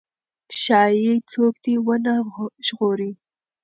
ښايي څوک دې ونه ژغوري.